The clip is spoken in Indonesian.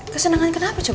kesenangan kenapa coba